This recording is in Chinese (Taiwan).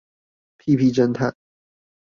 屁屁偵探